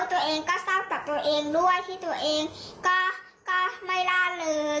ไปจากรักษาคนใหม่ก็ไม่ล่ะเลย